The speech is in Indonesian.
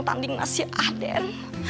tandingan si haden